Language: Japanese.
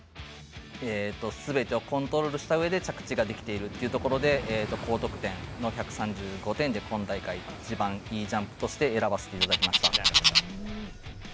すべてをコントロールしたうえで着地ができているというところで高得点の１３５点で今大会一番いいジャンプとして選ばせていただきました。